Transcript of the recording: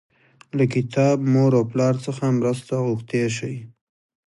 له کتاب، مور او پلار څخه مرسته غوښتی شئ.